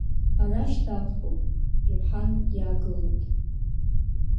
Арашь дақәтәоп, ирҳан иаагылет.